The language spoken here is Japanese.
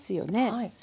はい。